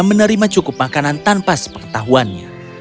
menerima cukup makanan tanpa sepengetahuannya